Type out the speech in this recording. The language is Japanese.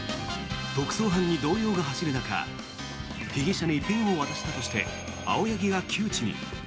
特捜班に動揺が走る中被疑者にペンを渡したとして青柳が窮地に。